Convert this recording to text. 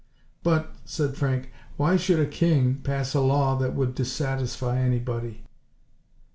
"But," said Frank, "why should a King pass a law that would dissatisfy anybody?"